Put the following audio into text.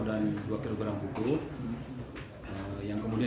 dan dua kilogram buku yang kemudian